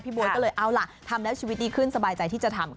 บ๊วยก็เลยเอาล่ะทำแล้วชีวิตดีขึ้นสบายใจที่จะทำ